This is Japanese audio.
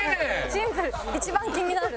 シンプル一番気になる。